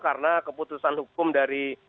karena keputusan hukum dari